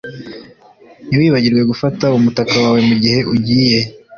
Ntiwibagirwe gufata umutaka wawe mugihe ugiye